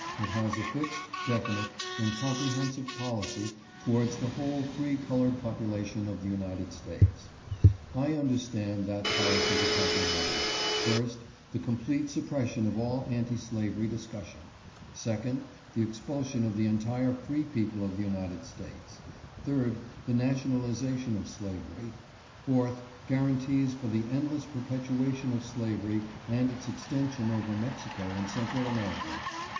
It has a fixed, definite, and comprehensive policy towards the whole free colored population of the United States. I understand that policy to comprehend : First, the complete suppression of all anti slavery discussion ; second, the expulsion of the entire free people of the United States ; third, the nationalization of slavery ; fourth, guarantees for the endless perpet uation of slavery and its extension over Mexico and Central America.